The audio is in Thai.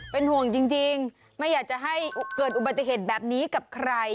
เป็นห่วงจริงไม่อยากจะให้เกิดอุบัติเหตุแบบนี้กับใคร